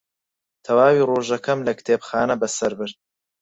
تەواوی ڕۆژەکەم لە کتێبخانە بەسەر برد.